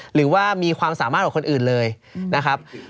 หรือว่ามีความสามารถกว่าคนอื่นเลยนะครับ